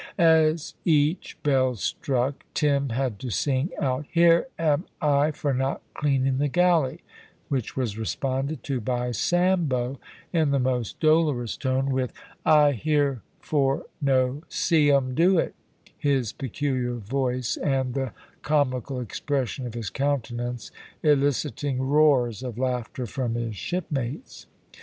As each bell struck Tim had to sing out, `Here am I for not cleaning the galley,' which was responded to by Sambo, in the most dolorous tone, with, `I here for no see 'um do it,' his peculiar voice and the comical expression of his countenance eliciting roars of laughter from his shipmates.